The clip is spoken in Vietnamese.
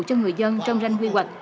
cho người dân trong ranh quy hoạch